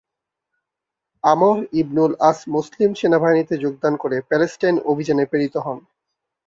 আমর ইবনুল আস মুসলিম সেনাবাহিনীতে যোগদান করে প্যালেস্টাইন অভিযানে প্রেরিত হন।